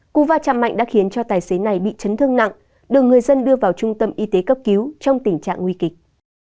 cú va chạm mạnh đã khiến cho tài xế này bị chấn thương nặng được người dân đưa vào trung tâm y tế cấp cứu trong tình trạng nguy kịch